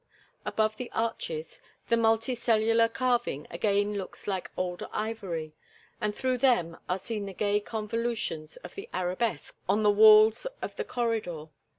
Above the arches the multicellular carving again looks like old ivory, and through them are seen the gay convolutions of the arabesques on the walls of the corridor.